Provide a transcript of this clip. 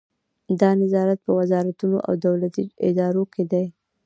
دا نظارت په وزارتونو او دولتي ادارو کې کیږي.